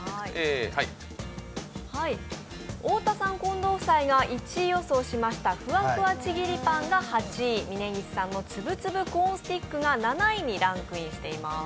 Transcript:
太田さん、近藤夫妻が１位予想しましたふわふわちぎりパンが８位、峯岸さんのつぶつぶコーンスティックが７位にランクインしてます。